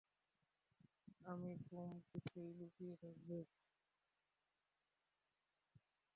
আমি গুমটিতেই লুকিয়ে থাকবো।